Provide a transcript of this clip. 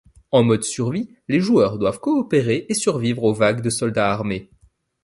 En mode survie, les joueurs doivent coopérer et survivre aux vagues de soldats armés.